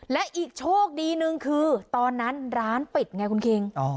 และอีกโชคดีหนึ่งคือตอนนั้นร้านปิดไงคุณคิง